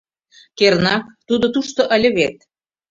Кернак, тудо тушто ыле вет...